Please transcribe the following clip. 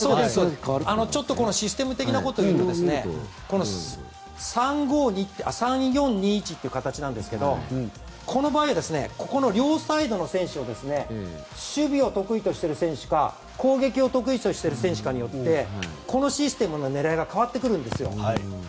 システム的なことを言うと３ー４ー２ー１という形なんですけど、この場合両サイドの選手を守備を得意としている選手か攻撃を得意としている選手かによってこのシステムの狙いが変わってくるんですよ。